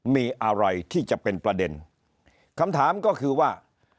มีอะไรที่จะเป็นประเด็นคำถามก็คือว่า